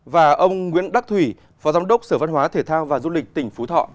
và ông nguyễn đắc thủy phó giám đốc sở văn hóa thể thao và du lịch tỉnh phú thọ